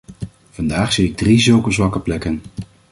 Vandaag zie ik drie zulke zwakke plekken.